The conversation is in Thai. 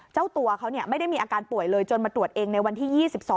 เจ้าตัวเขาไม่ได้มีอาการป่วยเลยจนมาตรวจเองในวันที่๒๒